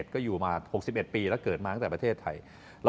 ก็อยู่มา๖๑ปีแล้วเกิดมาตั้งแต่ประเทศไทย